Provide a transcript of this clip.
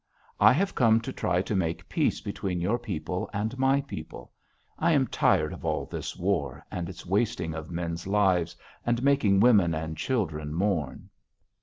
I have come to try to make peace between your people and my people. I am tired of all this war, and its wasting of men's lives, and making women and children mourn.'